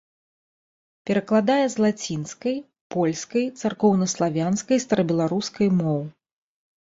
Перакладае з лацінскай, польскай, царкоўнаславянскай і старабеларускай моў.